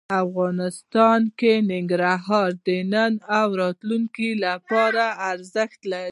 افغانستان کې ننګرهار د نن او راتلونکي لپاره ارزښت لري.